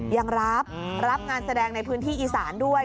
ยังรับรับงานแสดงในพื้นที่อีสานด้วย